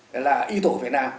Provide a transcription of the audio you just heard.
đó là y tổ việt nam